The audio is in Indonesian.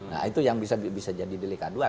nah itu yang bisa jadi dilih kaduan kan